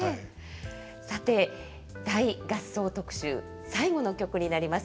さて大合奏特集最後の曲になります。